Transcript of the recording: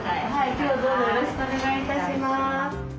今日はどうぞよろしくお願い致します。